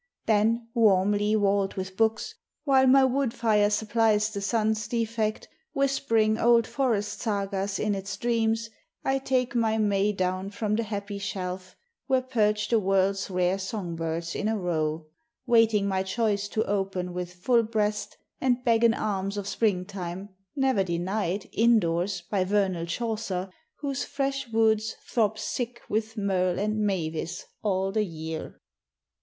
Then, warmly walled with books, While my wood fire supplies the sun's defect, Whispering old forest sagas in its dreams, I take my May down from the happy shelf Where perch the world's rare song birds in a row, UNDER THE WILLOWS. 11 Waitieg my choice to open with full breast, And beg an alms of spring time, ne'er denied Indoors by vernal Chaucer, whose fresh woods Throb thick with merle and mavis all the year.